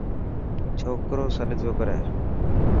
ڇوڪرو سڏ پيو ڪري.